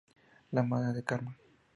La madre de Karma.